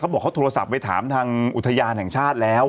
บอกเขาโทรศัพท์ไปถามทางอุทยานแห่งชาติแล้ว